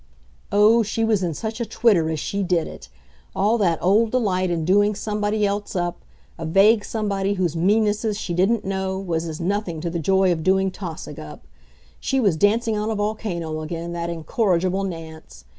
Oh, she was in such a twitter as she did it! All that old delight in doing somebody else up, a vague somebody whose meannesses she didn't know, was as nothing to the joy of doing Tausig up. She was dancing on a volcano again, that incorrigible Nance!